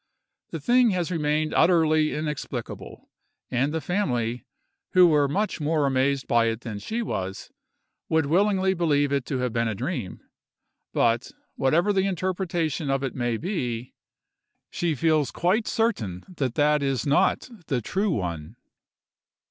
The thing has ever remained utterly inexplicable, and the family, who were much more amazed by it than she was, would willingly believe it to have been a dream; but, whatever the interpretation of it may be, she feels quite certain that that is not the true one.